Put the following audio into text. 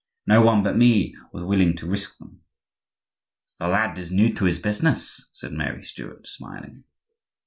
No one but me was willing to risk them." "The lad is new to his business," said Mary Stuart, smiling.